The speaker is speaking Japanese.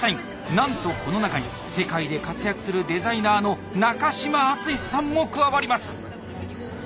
なんとこの中に世界で活躍するデザイナーの中島篤さんも加わります！